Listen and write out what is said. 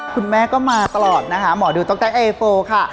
คุณแม่ก็มาตลอดนะคะหมอดูต๊กเอโฟค่ะ